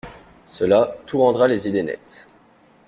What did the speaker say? Cela tous rendra les idées nettes.